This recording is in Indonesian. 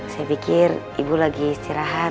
saya pikir ibu lagi istirahat